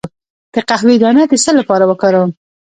د قهوې دانه د څه لپاره وکاروم؟